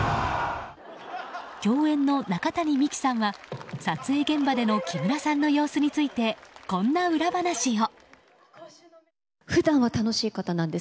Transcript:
共演の中谷美紀さんは撮影現場での木村さんの様子についてこんな裏話を。